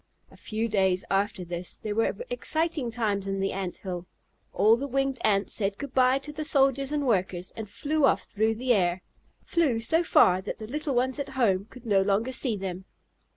A few days after this there were exciting times in the Ant hill. All the winged Ants said "Good bye" to the soldiers and workers, and flew off through the air, flew so far that the little ones at home could no longer see them.